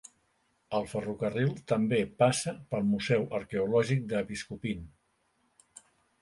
El ferrocarril també passa pel museu arqueològic de Biskupin.